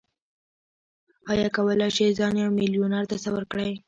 ايا کولای شئ ځان يو ميليونر تصور کړئ؟